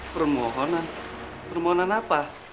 permohonan permohonan apa